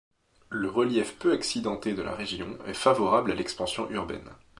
Le relief peu accidenté de la région est favorable à l'expansion urbaine.